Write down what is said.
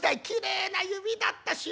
「きれいな指だった。